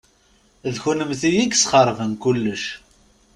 D kennemti i yesxeṛben kullec.